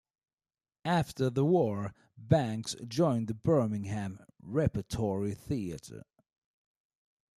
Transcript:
After the war, Banks joined the Birmingham Repertory Theatre.